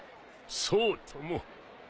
そうとも。